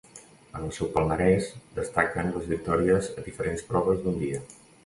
En el seu palmarès destaquen les victòries a diferents proves d'un dia.